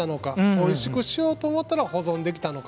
おいしくしようと思ったら保存できたのか。